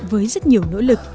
với rất nhiều nỗ lực